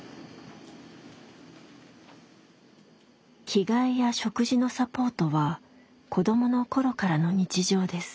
着替えや食事のサポートは子どもの頃からの日常です。